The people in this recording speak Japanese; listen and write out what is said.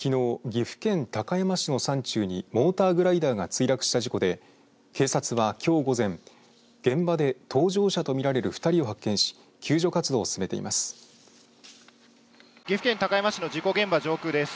岐阜県高山市の山中にモーターグライダーが墜落した事故で、警察はきょう午前現場で搭乗者と見られる２人を発見し救助活動を進めています。